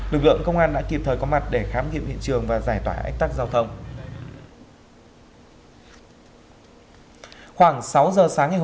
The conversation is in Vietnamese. lực lượng công an đã kịp thời có mặt để khám nghiệm hiện trường và giải tỏa ách tắc giao thông